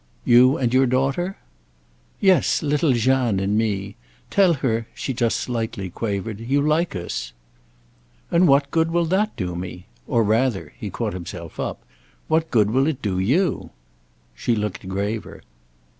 "You and your daughter?" "Yes—little Jeanne and me. Tell her," she just slightly quavered, "you like us." "And what good will that do me? Or rather"—he caught himself up—"what good will it do you?" She looked graver.